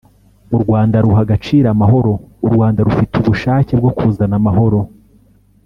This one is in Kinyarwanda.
“u Rwanda ruha agaciro amahoro; u Rwanda rufite ubushake bwo kuzana amahoro